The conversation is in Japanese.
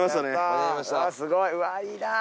わぁすごいうわいいなぁ。